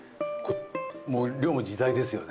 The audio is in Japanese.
もう量も自在ですよね？